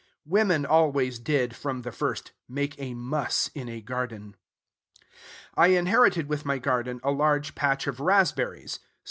Woman always did, from the first, make a muss in a garden. I inherited with my garden a large patch of raspberries.